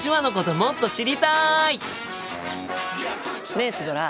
ねえシュドラ。